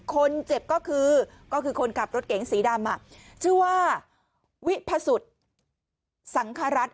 คนเจ็บก็คือก็คือคนขับรถเก๋งสีดำชื่อว่าวิพสุทธิ์สังครัฐ